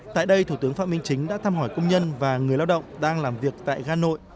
tại đây thủ tướng phạm minh chính đã thăm hỏi công nhân và người lao động đang làm việc tại ga nội